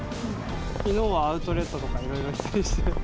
きのうはアウトレットとか、いろいろ行ったりして。